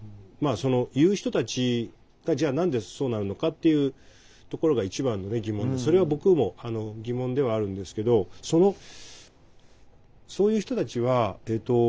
言う人たちがじゃあ何でそうなるのかっていうところが一番の疑問でそれは僕も疑問ではあるんですけどそういう人たちはえっと